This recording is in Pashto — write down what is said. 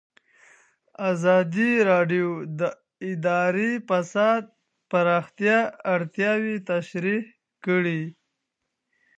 ازادي راډیو د اداري فساد د پراختیا اړتیاوې تشریح کړي.